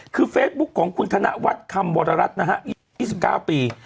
คือเฟซบุ๊คของคุณธนวัฒน์คำวรรัฐนะฮะ๒๙ปี